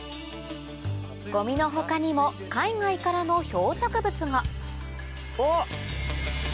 ゴミの他にも海外からの漂着物がおっ！